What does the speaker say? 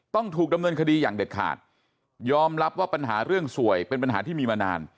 ต้องถูกดำเนินคดีอย่างเด็ดขาดยอมรับว่าปัญหาเรื่องสวยเป็นปัญหาที่มีมานาน